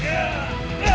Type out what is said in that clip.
saya basah orang